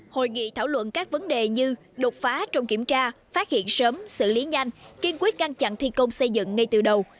hội nghị thảo luận các vấn đề như đột phá trong kiểm tra phát hiện sớm xử lý nhanh kiên quyết ngăn chặn thi công xây dựng ngay từ đầu